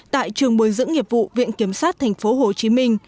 tại trường bồi dưỡng nghiệp vụ viện kiểm sát tp hcm